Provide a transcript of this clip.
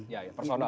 ya ya personal